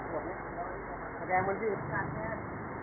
แบบนี้แสดงวนที่อุปการณ์แชน